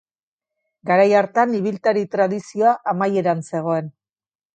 Garai hartan ibiltari tradizioa amaieran zegoen.